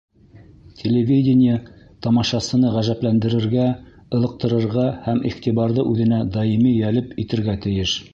Телевидение тамашасыны ғәжәпләндерергә, ылыҡтырырға һәм иғтибарҙы үҙенә даими йәлеп итергә тейеш.